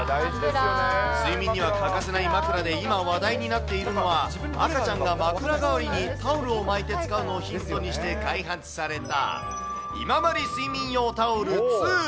睡眠には欠かせない枕で今話題になっているのは、赤ちゃんが枕代わりにタオルを巻いて使うのをヒントにして開発された、今治睡眠用タオル２。